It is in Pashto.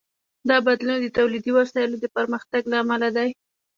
دا بدلون د تولیدي وسایلو د پرمختګ له امله دی.